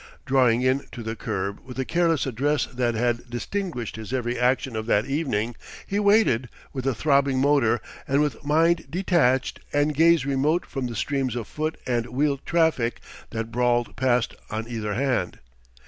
Drawing in to the curb with the careless address that had distinguished his every action of that evening, he waited, with a throbbing motor, and with mind detached and gaze remote from the streams of foot and wheeled traffic that brawled past on either hand.